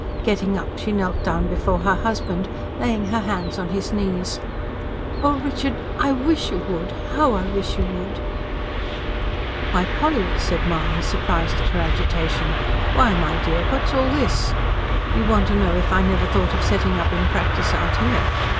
Getting up, she knelt down before her husband, laying her hands on his knees. "Oh, Richard, I wish you would HOW I wish you would!" "Why, Polly!" said Mahony, surprised at her agitation. "Why, my dear, what's all this? You want to know if I never thought of setting up in practice out here?